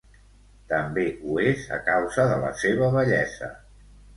També ho és a causa de la seva bellesa.